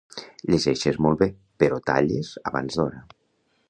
Llegeixes molt bé, però talles abans d'hora.